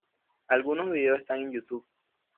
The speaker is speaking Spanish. Algunos videos están en YouTube.